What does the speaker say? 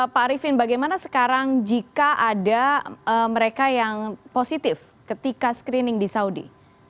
pak arifin bagaimana sekarang jika ada mereka yang positif ketika screening di saudi